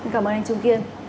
cảm ơn anh trung kiên